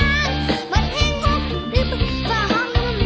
มันแห่งงบดิบบฟะห้อง